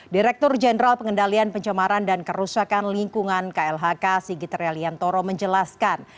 direktur jenderal pengendalian pencemaran dan kerusakan lingkungan klhk sigit realiantoro menjelaskan